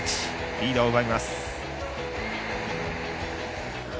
リードを奪います。